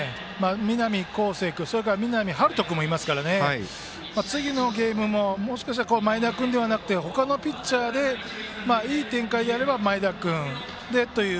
南恒誠君そして、南陽人君もいますから次のゲームももしかしたら前田君ではなく他のピッチャーでいい展開であれば前田君でという。